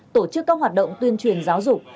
tổ chức các hoạt động tuyên truyền giáo dục